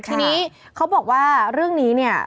ทีนี้เขาบอกว่าเรื่องนี้เนี่ย